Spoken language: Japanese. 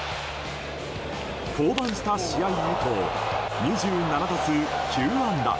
降板した試合以降２７打数９安打。